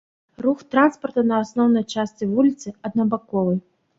Рух транспарта на асноўнай частцы вуліцы аднабаковы.